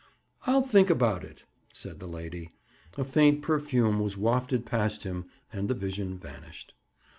"I'll think about it," said the lady. A faint perfume was wafted past him and the vision vanished.